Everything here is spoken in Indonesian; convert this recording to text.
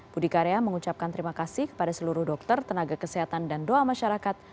budi karya mengucapkan terima kasih kepada seluruh dokter tenaga kesehatan dan doa masyarakat